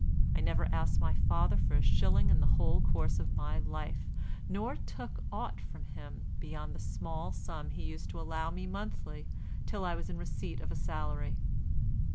I never asked my father for a shilling in the whole course of my life, nor took aught from him beyond the small sum he used to allow me monthly till I was in receipt of a salary.